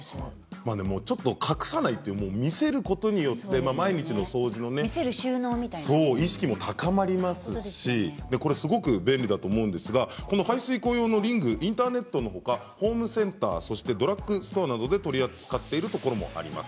見せることによって毎日のお掃除の意識も高まりますしすごく便利だと思うんですが排水口用のリングはインターネットのほかホームセンターやドラッグストアなどで取り扱っているところもあります。